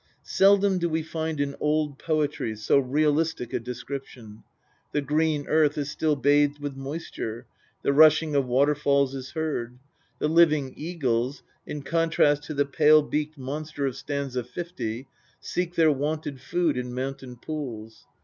Seldom do we find in old poetry so realistic a description the green earth is still bathed with moisture ; the rushing of waterfalls is heard ; the living eagles, in contrast to the pale beaked monster of st. 50, seek their wonted food in mountain pools.